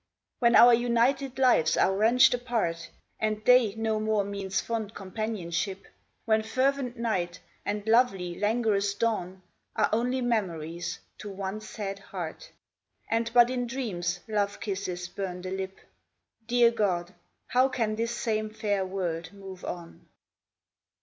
When our united lives are wrenched apart, And day no more means fond companionship, When fervent night, and lovely languorous dawn, Are only memories to one sad heart, And but in dreams love kisses burn the lip, Dear God, how can this same fair world move on?